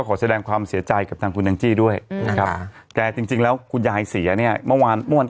ขอแสดงความเสียใจก็จุดดิเพราะจริงแล้วคุณยายเสียเนี่ยเมื่อวานด้วย